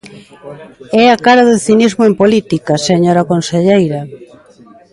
É a cara do cinismo en política, señora conselleira.